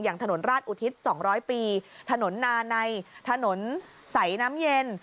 ถนนราชอุทิศ๒๐๐ปีถนนนาในถนนสายน้ำเย็น